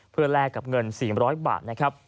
เพื่อแลกกับเงิน๔๐๐บาทนะครับ